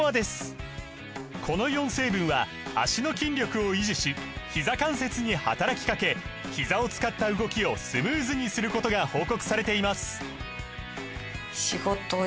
この４成分は脚の筋力を維持しひざ関節に働きかけひざを使った動きをスムーズにすることが報告されています